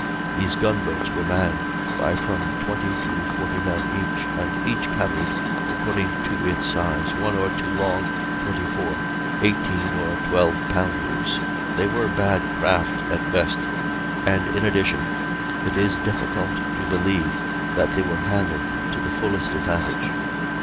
These gun boats were manned by from 20 to 40 men each, and each carried, according to its size, one or two long 24 , 18 , or 12 pounders. They were bad craft at best; and, in addition, it is difficult to believe that they were handled to the fullest advantage.